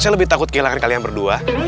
saya lebih takut kehilangan kalian berdua